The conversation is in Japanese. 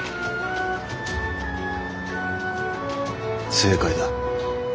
正解だ。